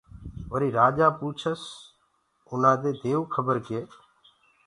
وريٚ رآجآ پوٚڇس اُنآدي ديئو کبر ڪي